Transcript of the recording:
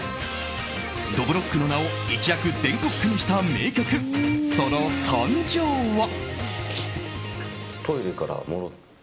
どぶろっくの名を一躍、全国区にした名曲その誕生は。